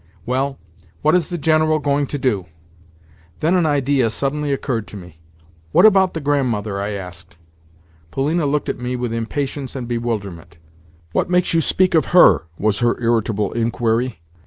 Well, what is the General going to do?" Then an idea suddenly occurred to me. "What about the Grandmother?" I asked. Polina looked at me with impatience and bewilderment. "What makes you speak of her?" was her irritable inquiry.